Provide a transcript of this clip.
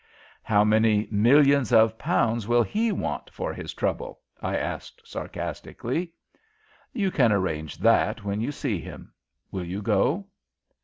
"How many millions of pounds will he want for his trouble?" I asked, sarcastically. "You can arrange that when you see him. Will you go?"